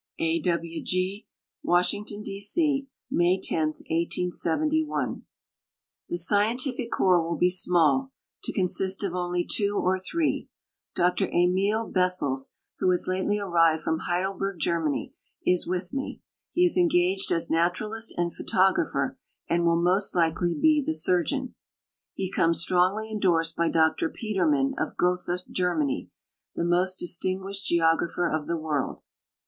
A. W. G. WAsiirNGTON, D. C., May 10, 1871. The scientific corps will be small to consist of onl_v two or three. Dr Emil Bessels, who has lately arrived from Heidelburg, Germany, is with me. He is engaged as naturalist and photographer, and will most likely he the surgeon. He comes strongly endorsed by Dr Peterman, of Gotha, Germany, the most distinguished geographer of the world.